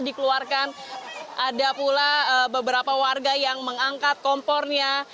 dikeluarkan ada pula beberapa warga yang mengangkat kompornya